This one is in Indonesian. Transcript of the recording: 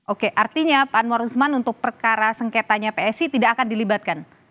oke artinya pak anwar usman untuk perkara sengketanya psi tidak akan dilibatkan